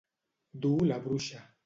Dur la bruixa.